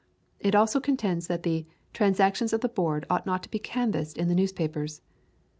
It also contends that "the transactions of the Board ought not to be canvassed in the newspapers."